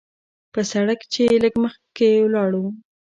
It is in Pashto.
پۀ سړک چې لږ مخکښې لاړو